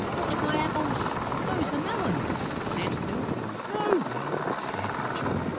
"Look at my apples...." "But those are melons!" said Tyltyl. "No, no!" said the Child.